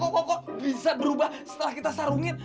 kok bisa berubah setelah kita sarungin